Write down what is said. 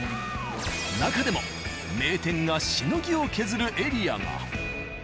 なかでも名店がしのぎを削るエリアが。